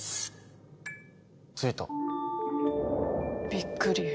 びっくり。